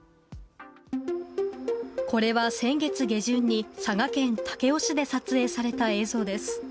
これは先月下旬に佐賀県武雄市で撮影された映像です。